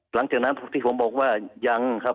หลังจากนั้นที่ผมบอกว่ายังครับ